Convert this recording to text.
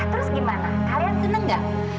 terus gimana kalian senang tidak